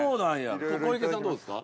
◆小池さんはどうですか。